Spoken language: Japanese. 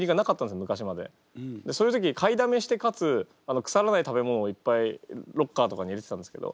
そういう時買いだめしてかつ腐らない食べ物をいっぱいロッカーとかに入れてたんですけど。